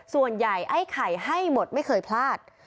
ส่วนใหญ่ไอ้ไข่ให้หมดไม่เคยพลาด